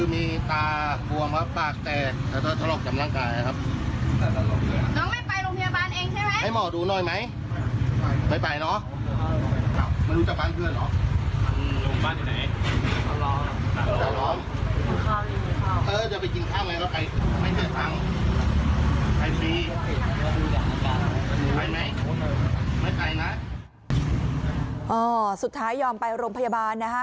ไม่เคยทั้งใครมีใครไม่ไม่ใครนะอ่อสุดท้ายยอมไปโรงพยาบาลนะฮะ